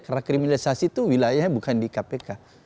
karena kriminalisasi itu wilayahnya bukan di kpk